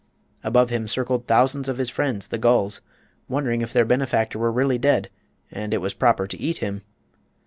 Above him circled thousands of his friends the gulls, wondering if their benefactor were really dead and it was proper to eat him.